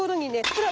ほら。